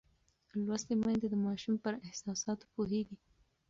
لوستې میندې د ماشوم پر احساساتو پوهېږي.